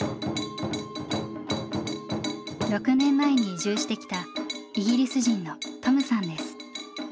６年前に移住してきたイギリス人のトムさんです。